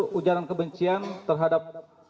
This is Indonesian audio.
unsur ujaran kebencian terhadap